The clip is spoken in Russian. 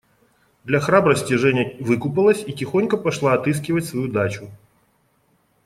Для храбрости Женя выкупалась и тихонько пошла отыскивать свою дачу.